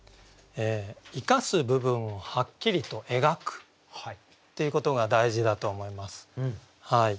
「生かす部分をハッキリと描く」っていうことが大事だと思います。